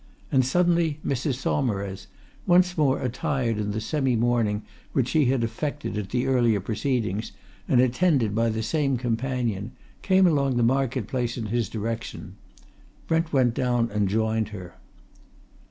And suddenly Mrs. Saumarez, once more attired in the semi mourning which she had affected at the earlier proceedings, and attended by the same companion, came along the market place in his direction. Brent went down and joined her.